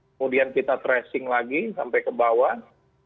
kemudian kita tracing lagi sampai ke bawah